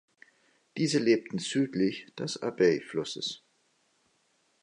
Diese lebten südlich des Abay-Flusses.